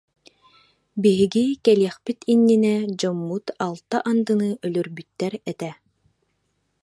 Биһиги кэлиэхпит иннинэ дьоммут алта андыны өлөрбүттэр этэ